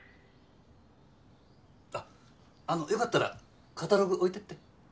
あっあの良かったらカタログ置いてって。